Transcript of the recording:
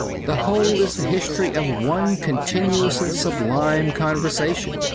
The whole is the history of one continuous and sublime conversation.